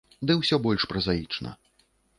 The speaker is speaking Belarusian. Ды ўсё больш празаічна.